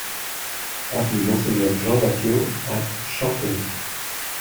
Avenue Monseigneur Jean Batiot à Chantonnay